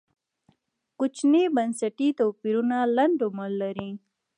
کوچني بنسټي توپیرونه لنډ عمر لري.